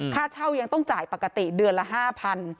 ค่าเช่ายังต้องจ่ายปกติเดือนละ๕๐๐บาท